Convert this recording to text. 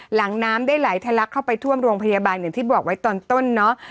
หลังน้ำได้ไหลทะลักเข้าไปท่วมโรงพยาบาลอย่างที่บอกไว้ตอนต้นเนาะ